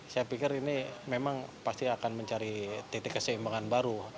saya pikir ini memang pasti akan mencari titik keseimbangan baru